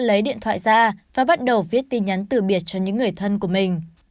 lấy điện thoại ra và bắt đầu viết tin nhắn từ biệt cho những người thân của mình